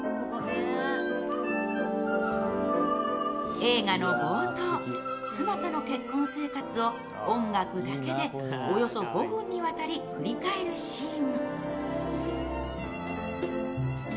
映画の冒頭、妻との結婚生活を音楽だけでおよそ５分にわたり振り返るシーン。